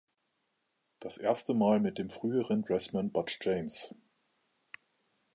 Das erste Mal mit dem früheren Dressman Butch James.